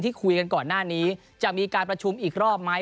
คุยกันก่อนหน้านี้จะมีการประชุมอีกรอบไหม